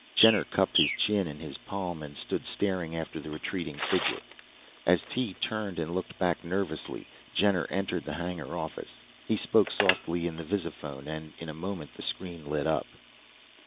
Jenner cupped his chin in his palm and stood staring after the retreating figure. As Tee turned and looked back nervously, Jenner entered the hangar office. He spoke softly into the visiphone and in a moment the screen lit up.